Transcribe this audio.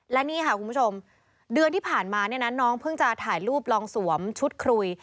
และนี่ค่ะคุณผู้ชมเดือนที่ผ่านมาเนี่ยนะน้องเพิ่งจะถ่ายรูปลองสวมชุดคุย